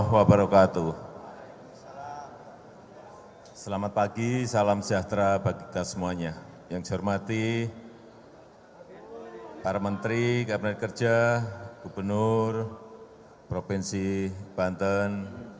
yang saya hormati para menteri kabinet kerja gubernur provinsi banten